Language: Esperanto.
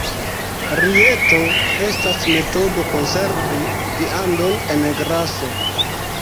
Rijeto estas metodo konservi viandon en graso.